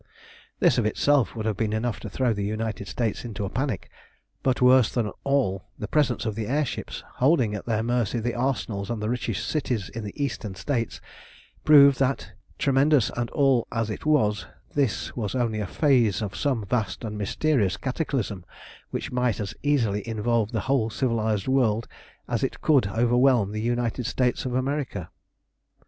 This of itself would have been enough to throw the United States into a panic; but, worse than all, the presence of the air ships, holding at their mercy the arsenals and the richest cities in the Eastern States, proved that tremendous and all as it was, this was only a phase of some vast and mysterious cataclysm which might as easily involve the whole civilised world as it could overwhelm the United States of America.